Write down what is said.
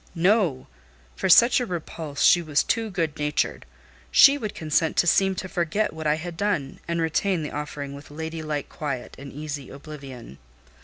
"No; for such a repulse she was too good natured. She would consent to seem to forget what I had done, and retain the offering with lady like quiet and easy oblivion.